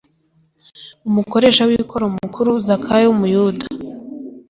Umukoresha w'ikoro mukuru, Zakayo w'umuyuda,